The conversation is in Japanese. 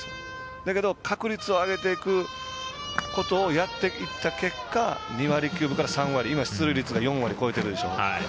だけど確率を上げていくことをやっていった結果２割９分から３割今、出塁率が４割超えてるでしょ。